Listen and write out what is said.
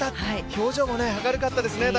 表情も明るかったですね。